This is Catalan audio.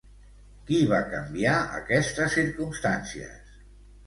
Qui va canviar aquestes circumstàncies?